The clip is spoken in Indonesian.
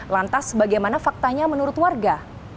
lantas bagaimana faktanya menurut warga